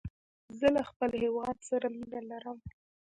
زه له خپل هیواد سره مینه لرم.